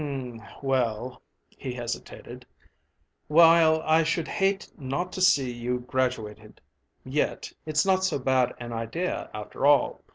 "Hm m, well," he hesitated. "While I should hate not to see you graduated, yet it's not so bad an idea, after all.